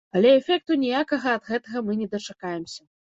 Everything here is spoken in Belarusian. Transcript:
Але эфекту ніякага ад гэтага мы не дачакаемся.